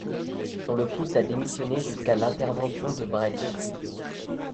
On le pousse à démissionner jusqu'à l'intervention de Brecht.